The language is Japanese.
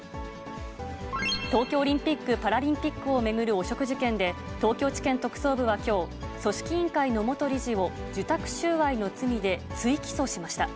東京オリンピック・パラリンピックを巡る汚職事件で、東京地検特捜部はきょう、組織委員会の元理事を受託収賄の罪で追起訴しました。